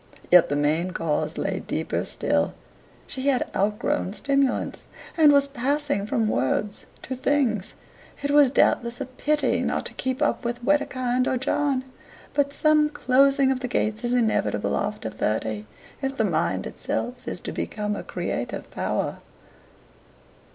Yet the main cause lay deeper still; she had outgrown stimulants, and was passing from words to things. It was doubtless a pity not to keep up with Wedekind or John, but some closing of the gates is inevitable after thirty, if the mind itself is to become a creative power.